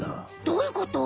どういうこと？